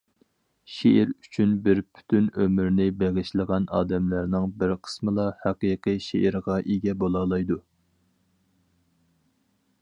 شېئىر ئۈچۈن بىر پۈتۈن ئۆمرىنى بېغىشلىغان ئادەملەرنىڭ بىر قىسمىلا ھەقىقىي شېئىرغا ئىگە بولالايدۇ.